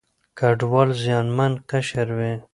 کډوال زیانمن قشر وي.